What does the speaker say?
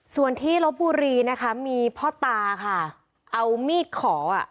ส่วนที่ลบบุรีนะคะมีพ่อตาค่ะเอามีดขออ่ะ